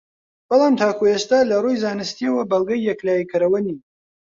بەڵام تاکو ئێستا لەڕووی زانستییەوە بەڵگەی یەکلاییکەرەوە نین